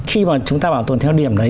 khi mà chúng ta bảo tồn theo điểm đấy